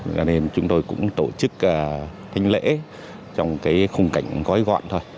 cho nên chúng tôi cũng tổ chức thanh lễ trong cái khung cảnh gói gọn thôi